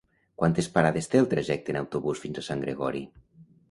Quantes parades té el trajecte en autobús fins a Sant Gregori?